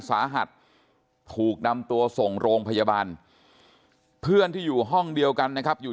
สาหัสถูกนำตัวส่งโรงพยาบาลเพื่อนที่อยู่ห้องเดียวกันนะครับอยู่